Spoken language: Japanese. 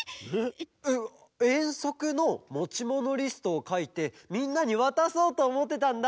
えっえんそくのもちものリストをかいてみんなにわたそうとおもってたんだ。